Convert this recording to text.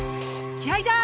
気合いだ！